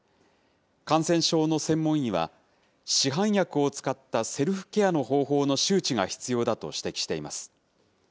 感染症の専門医は、市販薬を使ったセルフケアの方法の周知が必要だと指摘しています。